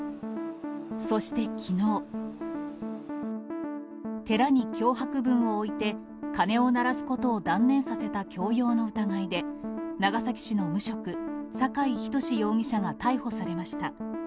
そしてきのう、寺に脅迫文を置いて、鐘を鳴らすことを断念させた強要の疑いで、長崎市の無職、酒井仁容疑者が逮捕されました。